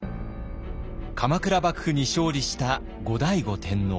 鎌倉幕府に勝利した後醍醐天皇。